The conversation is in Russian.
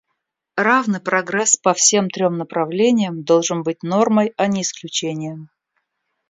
Равный прогресс по всем трем направлениям должен быть нормой, а не исключением.